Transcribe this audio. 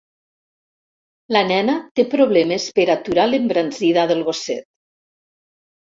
La nena té problemes per aturar l'embranzida del gosset.